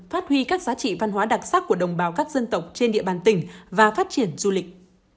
phát huy các giá trị văn hóa đặc sắc của đồng bào các dân tộc trên địa bàn tỉnh và phát triển du lịch